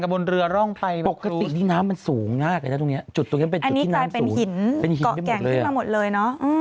แหงมาปรุกติวินเนาะมันสูงได้อยู่ที่น้ำสูงโรงอาหารแหย่นะ